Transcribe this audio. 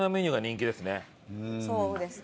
そうですね。